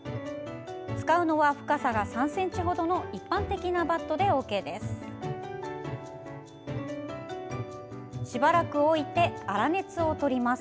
使うのは、深さが３ｃｍほどの一般的なバットでＯＫです。